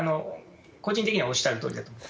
個人的にはおっしゃるとおりだと思います。